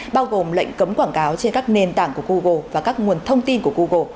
bao gồm lệnh cấm quảng cáo trên các nền tảng của google và các nguồn thông tin của google